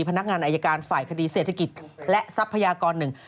พนักงานอายการฝ่ายคดีเศรษฐกิจและทรัพยากรหนึ่ง